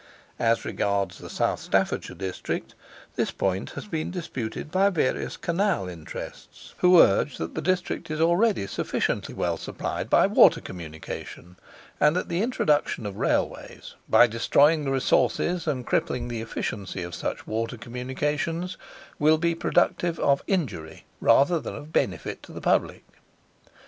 As regards the South Staffordshire district, this point has been disputed by various Canal interests, who urge that the district is already sufficiently well supplied by water communication, and that the introduction of Railways, by destroying the resources and crippling the efficiency of such water communications, will be productive of injury rather than of benefit to the Public.